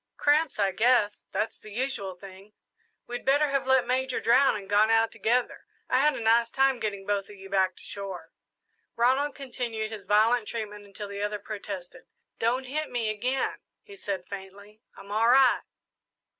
"Cramps, I guess that's the usual thing. We'd better have let Major drown and gone out together. I had a nice time getting both of you back to shore." Ronald continued his violent treatment until the other protested. "Don't hit me again," he said faintly, "I'm all right!"